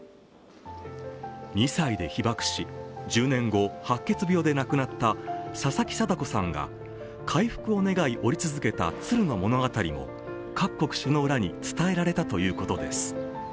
２歳で被爆し、１０年後、白血病で亡くなった佐々木禎子さんが回復を願い折り続けた鶴の物語も各国首脳らに伝えられたということです。